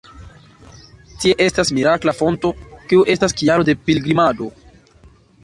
Tie estas mirakla fonto kiu estas kialo de pilgrimado.